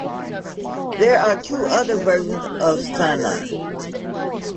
There were two other versions of "sunna".